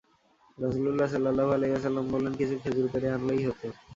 রাসূলুল্লাহ সাল্লাল্লাহু আলাইহি ওয়াসাল্লাম বললেন, কিছু খেজুর পেড়ে আনলেই হত।